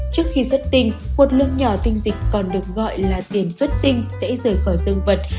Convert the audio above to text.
trước khi xuất tinh một lượng nhỏ tinh dịch còn được gọi là tiền xuất tinh sẽ rời khỏi dương vật